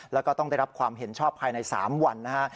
แล้วก็ต้องได้รับความเห็นชอบภายใน๓วันนะฮะ